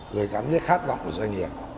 rồi gắn với khát vọng của doanh nghiệp